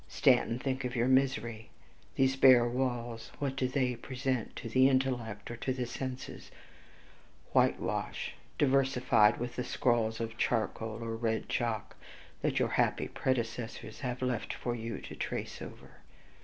Stanton, think of your misery. These bare walls what do they present to the intellect or to the senses? Whitewash, diversified with the scrawls of charcoal or red chalk, that your happy predecessors have left for you to trace over.